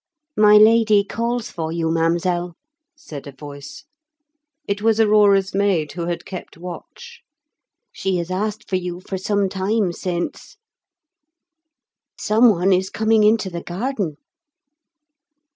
"My lady calls for you, Mademoiselle," said a voice; it was Aurora's maid who had kept watch. "She has asked for you some time since. Someone is coming into the garden!"